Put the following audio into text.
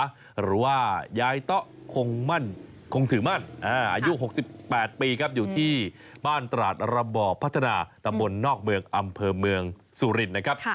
หรือว่ายายเตาะคงถือมั่นอายุ๖๘ปีครับอยู่ที่บ้านตราดระบอบพัฒนาตำบลนอกเมืองอำเภอเมืองสุรินนะครับ